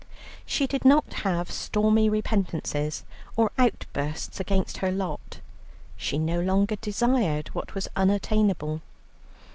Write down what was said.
She did not have stormy repentances or outbursts against her lot; she no longer desired what was unattainable.